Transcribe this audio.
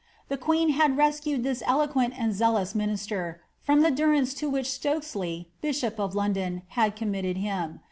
The queen had rescued this eloquent and zealous minis ter from the durance to which Stokesley, bishop of London, had com mitted him.